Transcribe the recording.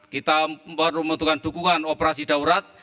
kita perlu membutuhkan dukungan operasi daurat